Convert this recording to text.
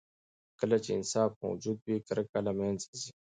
کله چې انصاف موجود وي، کرکه له منځه ځي.